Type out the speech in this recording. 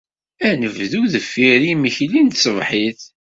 Ad nebdu deffir yimekli n tṣebḥit.